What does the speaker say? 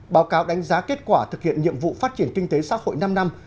báo cáo đánh giá kết quả thực hiện nhiệm vụ phát triển kinh tế xã hội năm năm